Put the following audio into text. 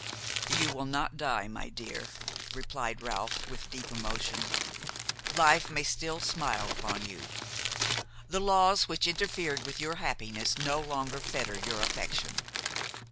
"You will not die, my dear," replied Ralph with deep emotion; "life may still smile upon you. The laws which interfered with your happiness no longer fetter your affection.